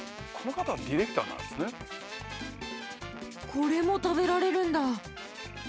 これも食べられるんだ。